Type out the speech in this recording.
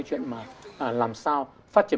chuyện làm sao phát triển